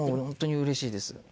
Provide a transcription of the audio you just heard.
本当にうれしいです。